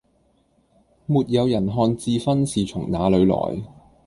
沒有人看智勳是從那裏來